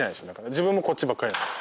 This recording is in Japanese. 自分もこっちばかりなので。